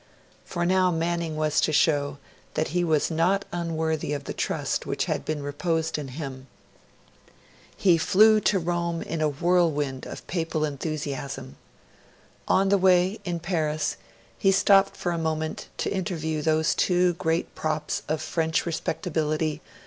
For now Manning was to show that he was not unworthy of the trust which had been reposed in him. He flew to Rome in a whirlwind of Papal enthusiasm. On the way, in Paris, he stopped for a moment to interview those two great props of French respectability, M.